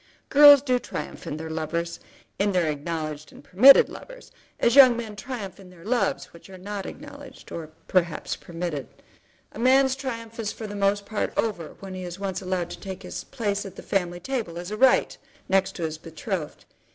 Girls do triumph in their lovers, in their acknowledged and permitted lovers, as young men triumph in their loves which are not acknowledged or perhaps permitted. A man's triumph is for the most part over when he is once allowed to take his place at the family table, as a right, next to his betrothed.